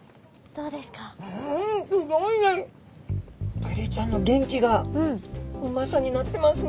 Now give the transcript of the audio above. ブリちゃんの元気がうまさになってますね。